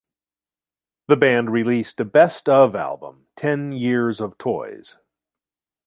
The band released a best of album, "Ten Years of Toys".